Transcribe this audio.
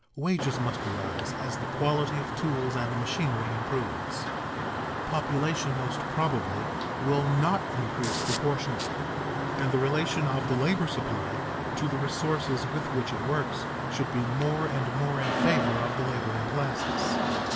Wages must rise as the quality of tools and machinery improves. Population most probably will not increase proportionately and the relation of the labor supply to the resources with which it works should be more and more in favor of the laboring classes.